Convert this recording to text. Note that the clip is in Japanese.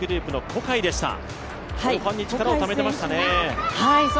後半に力をためてましたね。